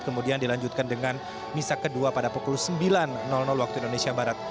kemudian dilanjutkan dengan misa kedua pada pukul sembilan waktu indonesia barat